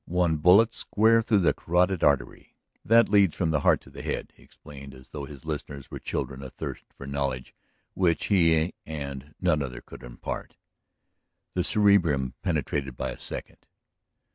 One bullet square through the carotid artery ... That leads from the heart to the head," he explained as though his listeners were children athirst for knowledge which he and none other could impart. "The cerebrum penetrated by a second.